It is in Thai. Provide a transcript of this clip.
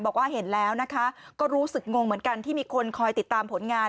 บอกว่าเห็นแล้วนะคะก็รู้สึกงงเหมือนกันที่มีคนคอยติดตามผลงาน